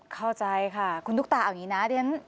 เข้าใจค่ะคุณตุ๊กตาเอาอย่างนี้นะ